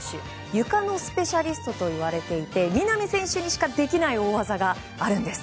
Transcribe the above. ゆかのスペシャリストといわれていて南選手にしかできない大技があるんです。